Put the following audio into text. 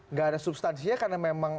nggak ada substansinya karena memang